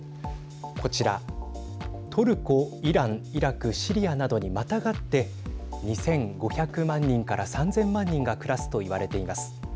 こちら、トルコ、イランイラク、シリアなどにまたがって２５００万人から３０００万人が暮らすと言われています。